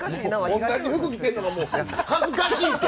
同じ服着てるのが恥ずかしいって。